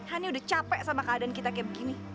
hani udah capek sama keadaan kita kayak begini